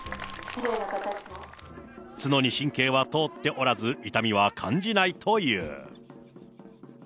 角に神経は通っておらず、痛みは感じないという。